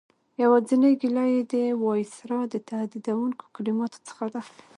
یوازینۍ ګیله یې د وایسرا د تهدیدوونکو کلماتو څخه ده.